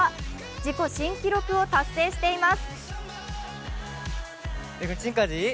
自己新記録を達成しています。